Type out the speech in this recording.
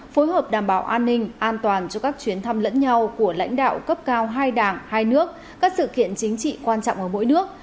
phối hợp đảm bảo an ninh an toàn cho các chuyến thăm lẫn nhau của lãnh đạo cấp cao hai đảng hai nước các sự kiện chính trị quan trọng ở mỗi nước